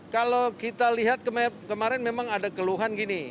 kalau kita lihat kemarin memang ada keluhan gini